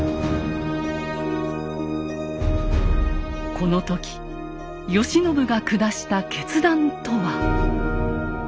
この時慶喜が下した決断とは。